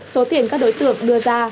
số tiền các đối tượng đưa ra